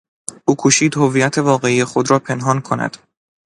او کوشید هویت واقعی خود را پنهان کند.